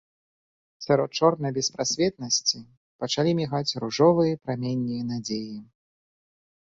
Сярод чорнай беспрасветнасці пачалі мігаць ружовыя праменні надзеі.